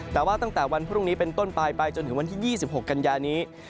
แต่ว่าตั้งแต่วันพรุ่งนี้เป็นต้นปลายไปจนถึงวันที่๒๖กันยานี้